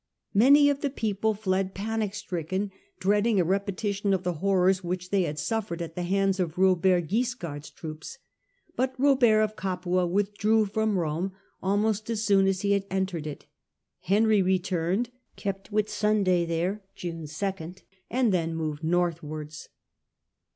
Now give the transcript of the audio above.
Many of the people fled panic stricken, dreading a repetition of the horrors which they had suffered at the hands of Robert Wiscard's troops, but Robert of Capua withdrew from Rome almost as soon as he had entered it : Henry returned, kept Whitsunday there (June 2) and then moved northwards.